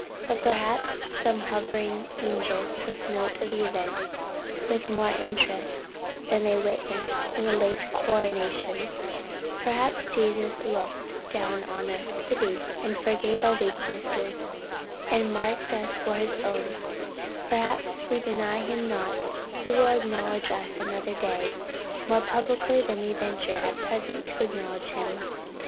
But perhaps some hovering angels took note of the event with more interest than they witnessed the late coronation; perhaps Jesus looked down on us, pitied and forgave our weaknesses, and marked us for his own; perhaps if we deny him not, he will acknowledge us another day, more publicly than we venture at present to acknowledge him."